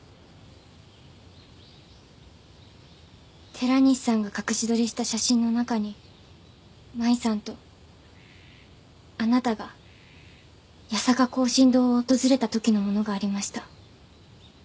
寺西さんが隠し撮りした写真の中に麻衣さんとあなたが八坂庚申堂を訪れた時のものがありました。